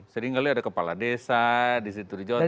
sering kali ada kepala desa di situ di jawa timur